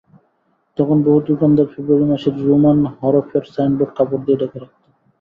তখন বহু দোকানদার ফেব্রুয়ারি মাসে রোমান হরফের সাইনবোর্ড কাপড় দিয়ে ঢেকে রাখত।